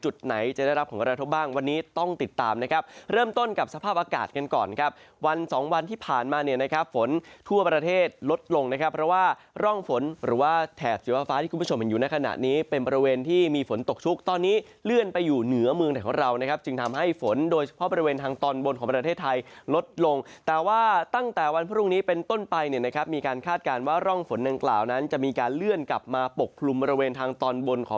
ว่าแถบสีฟ้าฟ้าที่คุณผู้ชมเห็นอยู่ในขณะนี้เป็นบริเวณที่มีฝนตกชุกตอนนี้เลื่อนไปอยู่เหนือเมืองของเรานะครับจึงทำให้ฝนโดยเฉพาะบริเวณทางตอนบนของประเทศไทยลดลงแต่ว่าตั้งแต่วันพรุ่งนี้เป็นต้นไปเนี่ยนะครับมีการคาดการว่าร่องฝนนางกล่าวนั้นจะมีการเลื่อนกลับมาปกลุ่มบริเวณทางตอนบนของ